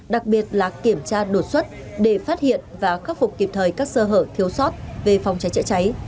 đặc biệt là kiểm tra đột xuất để phát hiện và khắc phục kịp thời các sơ hở thiếu sót về phòng cháy chữa cháy